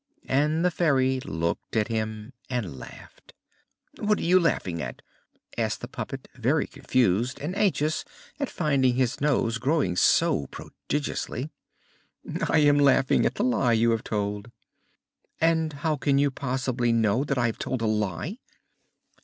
And the Fairy looked at him and laughed. "What are you laughing at?" asked the puppet, very confused and anxious at finding his nose growing so prodigiously. "I am laughing at the lie you have told." "And how can you possibly know that I have told a lie?"